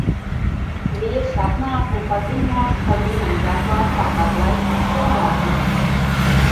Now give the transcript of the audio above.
Vīrs atnāk un paziņo, ka viņam darbā sāk atlaist cilvēkus.